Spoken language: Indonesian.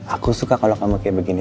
aku suka kalau kamu kayak begini